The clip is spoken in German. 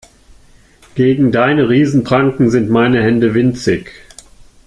Gegen deine Riesen-Pranken sind meine Hände winzig.